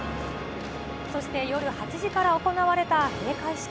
そして夜８時から行われた閉会式。